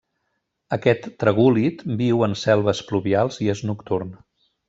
Aquest tragúlid viu en selves pluvials i és nocturn.